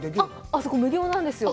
あそこ、無料なんですよ。